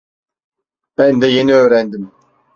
Ben de yeni öğrendim.